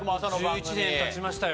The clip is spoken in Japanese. １１年経ちましたよ。